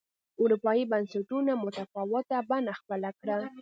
اروپایي بنسټونو متفاوته بڼه خپله کړه